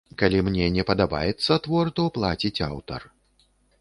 Калі мне не падабаецца твор, то плаціць аўтар.